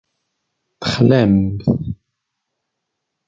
Texlamt.